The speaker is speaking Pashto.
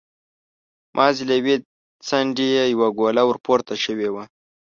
مازې له يوې څنډې يې يوه ګوله ور پورته شوې وه.